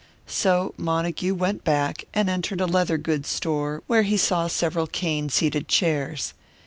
So Montague went back, and entered a leather goods store, where he saw several cane seated chairs.